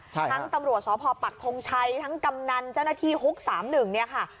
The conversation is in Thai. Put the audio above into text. ใช่ค่ะทั้งตำรวจศพปักทงชัยทั้งกำนันเจ้าหน้าที่หุกสามหนึ่งเนี่ยค่ะ